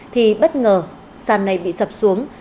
thì bất ngờ sàn này bị sập xuống